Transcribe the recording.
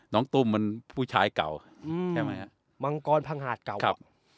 ตุ้มมันผู้ชายเก่าใช่ไหมฮะมังกรพังหาดเก่าครับ